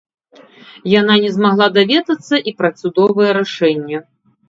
Яна не змагла даведацца і пра судовае рашэнне.